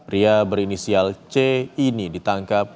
pria berinisial c ini ditangkap